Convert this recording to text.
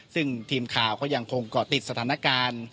ซึ่งทีมข่าวก็ยังคงเกาะติดสถานการณ์